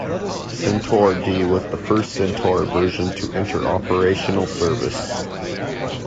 Centaur-D was the first Centaur version to enter operational service.